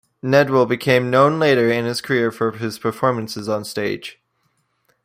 Nedwell became known later in his career for his performances on stage.